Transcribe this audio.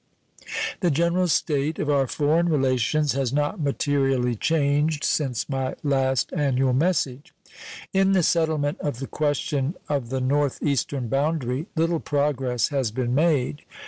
The general state of our foreign relations has not materially changed since my last annual message. In the settlement of the question of the North Eastern boundary little progress has been made.